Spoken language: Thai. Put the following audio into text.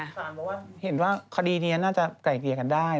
สารบอกว่าเห็นว่าคดีนี้น่าจะไกลเกลี่ยกันได้